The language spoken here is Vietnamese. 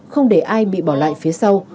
không để ai bị bỏ lại phía sau